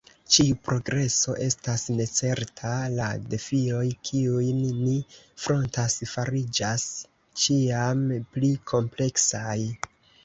Ĉiu progreso estas necerta; la defioj, kiujn ni frontas, fariĝas ĉiam pli kompleksaj.